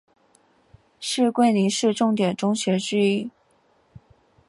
是桂林市重点中学之一。